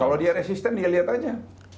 kalau dia resisten dia lihat aja